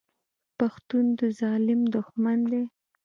پښتون د ظالم دښمن دی.